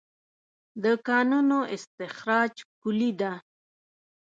د کانونو استخراج کلي ده؟